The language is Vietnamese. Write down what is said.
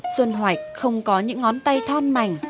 xuân hoạch không có những ngón tay thon mảnh